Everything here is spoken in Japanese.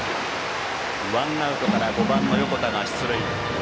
ワンアウトから５番の横田が出塁。